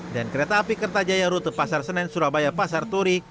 dan kereta api kertajaya rute pasar senen surabaya pasar turi